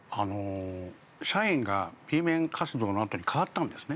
社員がＢ面活動のあとに変わったんですね？